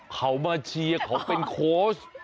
เขามาเชียร์เขาเป็นโค้ช